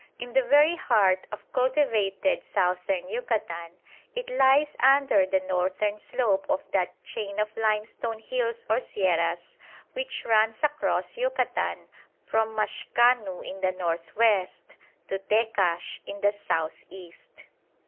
In the very heart of cultivated Southern Yucatan, it lies under the northern slope of that chain of limestone hills or sierras which runs across Yucatan from Maxcanu in the north west to Tekax in the south east.